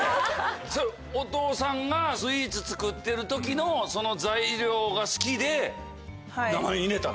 それお父さんがスイーツ作ってる時のその材料が好きで名前に入れたの？